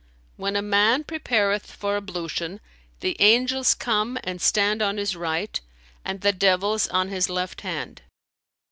"When a man prepareth for ablution, the angels come and stand on his right and the devils on his left hand.